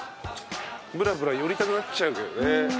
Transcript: ぶらぶら寄りたくなっちゃうけどね。